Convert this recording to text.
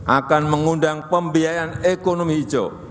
akan mengundang pembiayaan ekonomi hijau